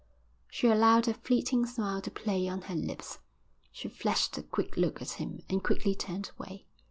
She allowed a fleeting smile to play on her lips. She flashed a quick look at him and quickly turned away.